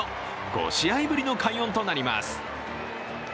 ５試合ぶりの快音となります。